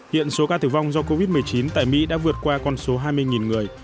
hiện số ca tử vong do covid một mươi chín tại mỹ đã vượt qua con số hai mươi người